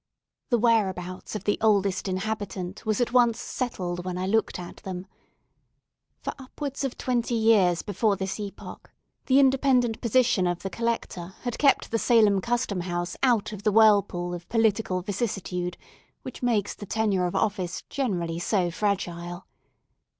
The whereabouts of the Oldest Inhabitant was at once settled when I looked at them. For upwards of twenty years before this epoch, the independent position of the Collector had kept the Salem Custom House out of the whirlpool of political vicissitude, which makes the tenure of office generally so fragile.